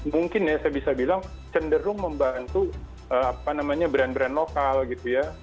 mungkin ya saya bisa bilang cenderung membantu brand brand lokal gitu ya